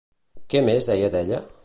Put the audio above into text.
Què més deia d'ella?